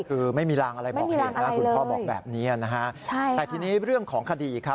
คือไม่มีรางอะไรบอกเหตุนะคุณพ่อบอกแบบนี้นะฮะใช่แต่ทีนี้เรื่องของคดีครับ